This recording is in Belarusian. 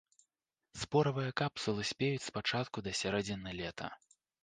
Споравыя капсулы спеюць з пачатку да сярэдзіны лета.